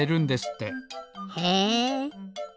へえ。